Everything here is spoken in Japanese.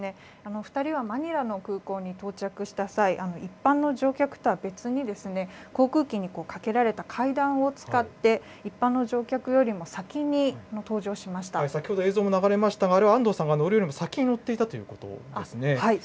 ２人はマニラの空港に到着した際、一般の乗客とは別に、航空機にかけられた階段を使って、一般の乗客よりも先に先ほど、映像も流れましたが、あれは安藤さんが乗るより先に乗っていたということですね。